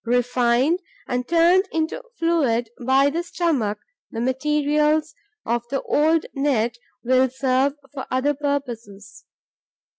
Refined and turned into fluid by the stomach, the materials of the old net will serve for other purposes.